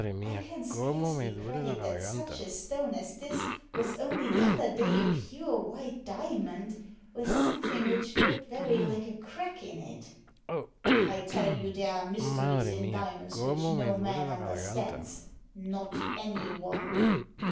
I can scarcely credit that such a stone as this was only the other day a pure white diamond with something which looked very like a crack in it" " I tell you there are mysteries in diamonds which no man understands — ^not any one."